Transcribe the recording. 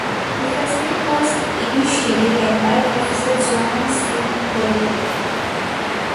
The facility was initially led by Professor John Sinclair.